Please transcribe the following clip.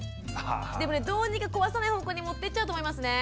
でもねどうにか壊さない方向にもってっちゃうと思いますね。